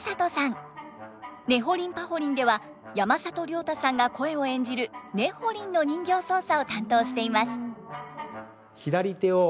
「ねほりんぱほりん」では山里亮太さんが声を演じるねほりんの人形操作を担当しています。